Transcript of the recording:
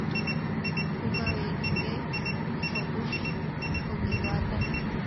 Koang'weri gei kotut ya koking'otan